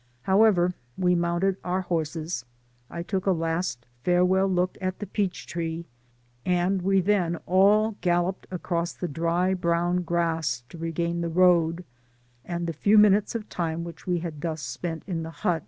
However we mounted our horses— I took a last farewell look at the peach tree, and we then all galloped across the dry brown grass, to regain the road, and the few minutes of time which we had thus spent at the hut.